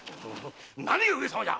何が上様じゃ！